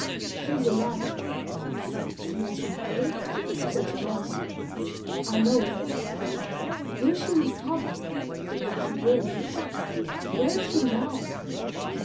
"She is alive." "She has the plague?" said Sir Norman. "I know it." "Will she recover?" "She will." "Where is she now?"